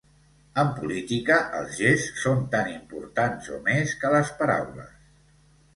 En política, els gests són tan importants o més que les paraules.